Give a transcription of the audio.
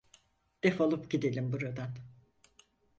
Defolup gidelim buradan.